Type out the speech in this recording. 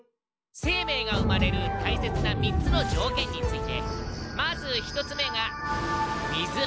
生命が生まれるたいせつな３つの条件についてまず１つ目が水。